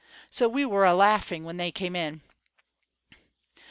So we were a' laughing when they came in.